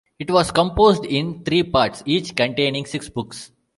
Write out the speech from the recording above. It was composed in three parts, each containing six books.